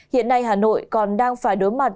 hiện nay hà nội còn đang phải đối mặt